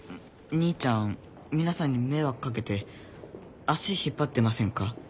兄ちゃん皆さんに迷惑掛けて足引っ張ってませんか？